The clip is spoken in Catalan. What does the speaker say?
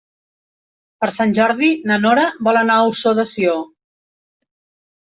Per Sant Jordi na Nora vol anar a Ossó de Sió.